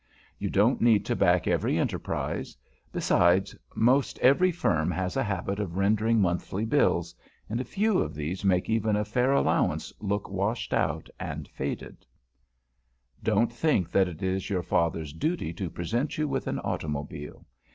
You don't need to back every enterprise; besides, most every firm has a habit of rendering monthly bills, and a few of these make even a fair allowance look washed out and faded. [Sidenote: THAT AUTOMOBILE] Don't think that it is your Father's duty to present you with an automobile.